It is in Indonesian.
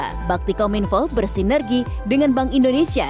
bakti kementerian komunikasi dan informatika bersinergi dengan bank indonesia